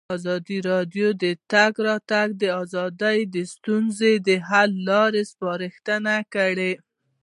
ازادي راډیو د د تګ راتګ ازادي د ستونزو حل لارې سپارښتنې کړي.